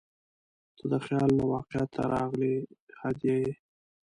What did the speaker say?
• ته د خیال نه واقعیت ته راغلې هدیه یې.